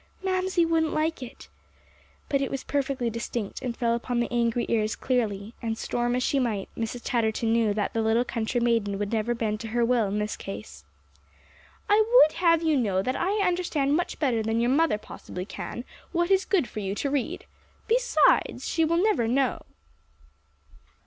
"Mamsie wouldn't like it." But it was perfectly distinct, and fell upon the angry ears clearly; and storm as she might, Mrs. Chatterton knew that the little country maiden would never bend to her will in this case. "I would have you to know that I understand much better than your mother possibly can, what is for your good to read. Besides, she will never know."